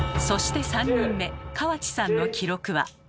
そして３人目川内さんの記録は。